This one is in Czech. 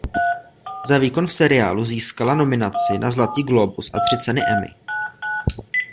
Za výkon v seriálu získala nominaci na Zlatý glóbus a tři ceny Emmy.